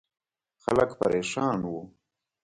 خلک پرېشان وو.